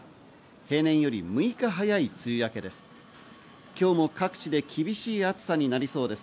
平年より６日早い梅雨明けです。